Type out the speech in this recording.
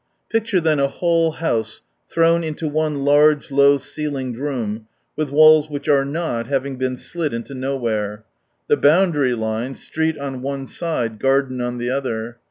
Picture then a whole house thrown into one large low ceilinged room, with walls which are not, having been slid into nowhere ; the boundary line, street on one side, garden on the other.